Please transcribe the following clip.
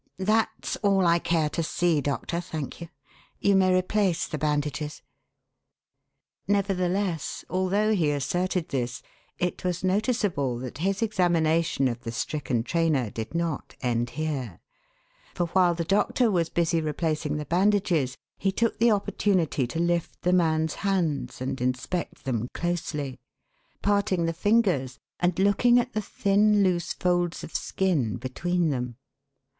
That's all I care to see, Doctor, thank you. You may replace the bandages." Nevertheless, although he asserted this, it was noticeable that his examination of the stricken trainer did not end here; for while the doctor was busy replacing the bandages he took the opportunity to lift the man's hands and inspect them closely parting the fingers and looking at the thin, loose folds of skin between them.